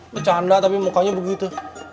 bercanda tapi mukanya begitu